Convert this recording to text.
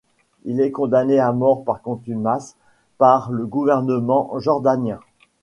Il est condamné à mort par contumace par le gouvernement jordanien.